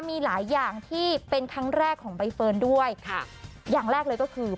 มีหลายอย่างที่เป็นครั้งแรกของใบเฟิร์นด้วยค่ะอย่างแรกเลยก็คือ